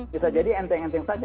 bisa jadi enteng enteng saja